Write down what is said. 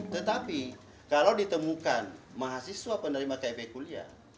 tetapi kalau ditemukan mahasiswa penerima kip kuliah